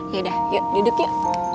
yaudah yuk duduk yuk